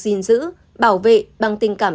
gìn giữ bảo vệ bằng tình cảm